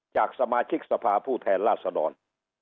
จากสมาชิกสภาพูดแทนล่าสนอน